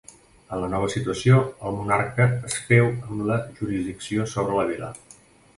En la nova situació, el monarca es féu amb la jurisdicció sobre la vila.